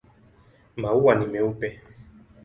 Maua ni meupe.